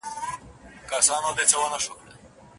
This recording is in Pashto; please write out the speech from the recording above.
ملکې ته ډوډۍ راوړه نوکرانو